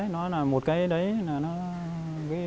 nó là một cái